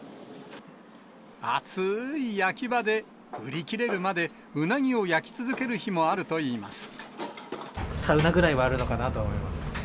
暑ーい焼き場で売り切れるまでうなぎを焼き続ける日もあるといいサウナぐらいはあるのかなと思います。